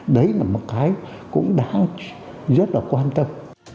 đấy là một cái cũng đã rất là quan tâm